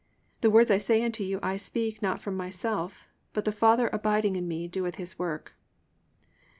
The words that I say unto you I speak not from myself: But the Father abiding in me doeth his work."